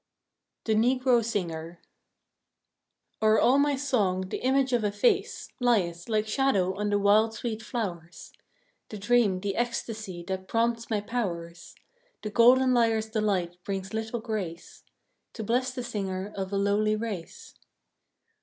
THE NEGRO SINGER O'er all my song the image of a face Lieth, like shadow on the wild sweet flowers. The dream, the ecstasy that prompts my powers; The golden lyre's delights bring little grace To bless the singer of a lowly race.